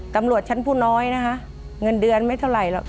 ตำรวจชั้นผู้น้อยนะคะเงินเดือนไม่เท่าไหร่หรอก